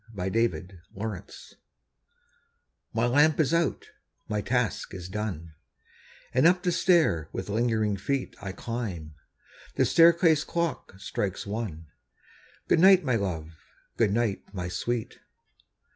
A LATE GOOD NIGHT My lamp is out, my task is done, And up the stair with lingering feet I climb. The staircase clock strikes one. Good night, my love! good night, my sweet!